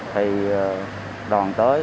thì đòn tới